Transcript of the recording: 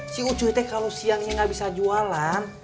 si ucuy teh kalo siangnya ga bisa jualan